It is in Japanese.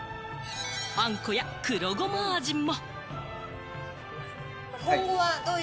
あんこや黒ゴマ味も。